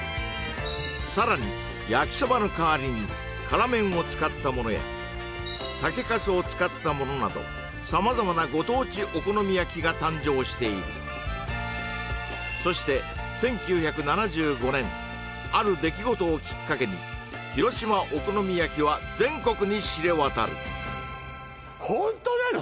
さらにやきそばのかわりに辛麺を使ったものや酒粕を使ったものなど様々なご当地お好み焼きが誕生しているそして１９７５年ある出来事をきっかけに広島お好み焼きは全国に知れ渡るホントなの？